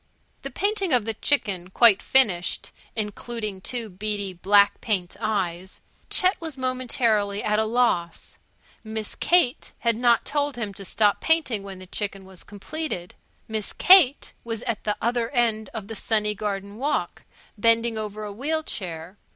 The painting of the chicken quite finished (including two beady black paint eyes) Chet was momentarily at a loss. Miss Kate had not told him to stop painting when the chicken was completed. Miss Kate was at the other end of the sunny garden walk, bending over a wheel chair.